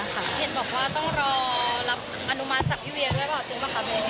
เห็นบอกว่าต้องรอรับอนุมัติจากพี่เวียด้วยเปล่าจริงป่ะคะแม่